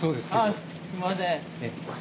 あっすいません。